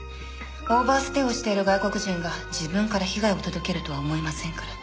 オーバーステイをしている外国人が自分から被害を届けるとは思えませんから。